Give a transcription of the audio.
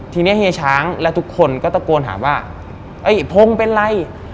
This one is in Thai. ทีนี้เฮียช้างและทุกคนก็ตะโกนถามว่าเอ้ยพงศ์เป็นไร